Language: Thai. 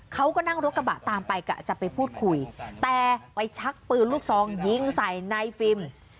เขาก็นั่งรถกระบะตามไปกะจะไปพูดคุยแต่ไปชักปืนลูกซองยิงใส่นายฟิล์ม